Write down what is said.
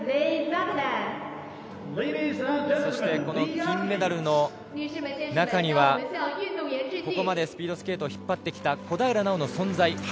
この金メダルの中にはここまでスピードスケートを引っ張ってきた小平奈緒の存在。